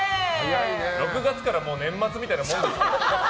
６月からもう年末みたいなもんですから。